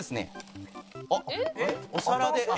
えっ？お皿で。